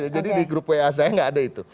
jadi di grup wa saya gak ada itu